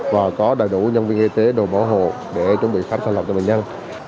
và có đầy đủ nhân viên y tế đồ bảo hộ để chuẩn bị khám sàng lọc cho bệnh nhân